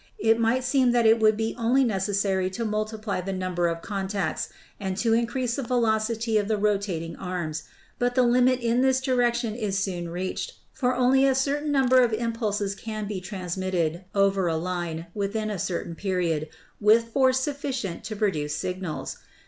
It might seem that it would only be necessary to multiply the number of contacts and to increase the velocity of the rotating arms ; but the limit in this direction is soon reached, for only a certain number of impulses can be transmitted over a line within a certain period with force sufficient to pro ELECTRO MAGNETIC TELEGRAPH 303 duce signals.